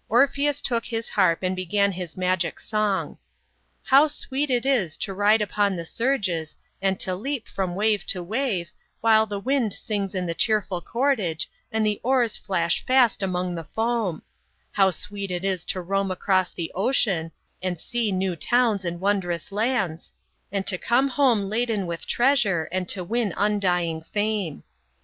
" Orpheus took his harp and began his magic song :"* How sweet it is to ride upon the surges, and to leap from wave to wave, while the wind sings in the cheerful cordage and the oars flash fast among the foam ! How sweet it is to roam across the ocean, and see new towns and wondrous lands, and " They named her Argo, anJ iwrfa/ at lift c^! day 58 SEARCH FOR THE GOLDEN FLEECE. to come home laden with treasure and to win undying fame